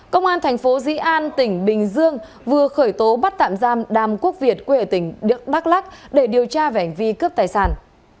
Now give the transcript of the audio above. công an thành phố dĩ an tỉnh bình dương vừa khởi tố bắt tạm giam đàm quốc việt quê ở tỉnh đắk lắc để điều tra về hành vi cướp tài sản